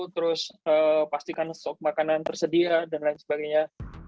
terus pastikan stok makanan tersedia dan lain sebagainya